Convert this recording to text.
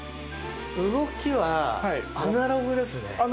動きはアナログですね。